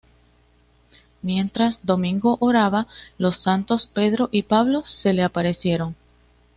Mientras Domingo oraba, los santos Pedro y Pablo se le aparecieron.